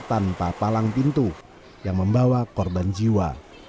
tanpa palang pintu yang membawa korban jiwa